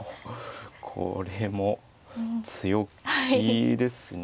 これも強気ですね。